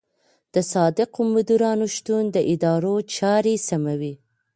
د صادقو مدیرانو شتون د ادارو چارې سموي.